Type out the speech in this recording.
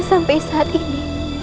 sampai saat ini